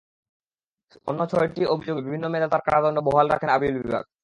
অন্য ছয়টি অভিযোগে বিভিন্ন মেয়াদে তাঁর কারাদণ্ড বহাল রাখেন আপিল বিভাগ।